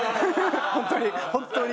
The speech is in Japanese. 本当に本当に。